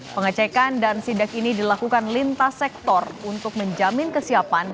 pengecekan dan sidak ini dilakukan lintas sektor untuk menjamin kesiapan